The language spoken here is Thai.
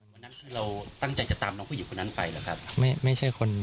วันนั้นคือเราตั้งใจจะตามน้องผู้หญิงคนนั้นไปหรือครับ